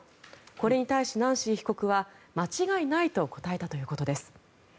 これに対し、ナンシー被告は間違いないと答えたということです。